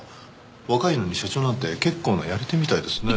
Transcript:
若いのに社長なんて結構なやり手みたいですね。